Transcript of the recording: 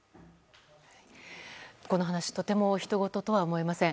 この話とてもひとごととは思えません。